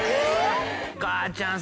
お母ちゃん